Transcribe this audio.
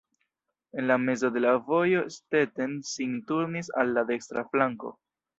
En la mezo de la vojo Stetten sin turnis al la dekstra flanko.